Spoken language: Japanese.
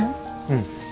うん。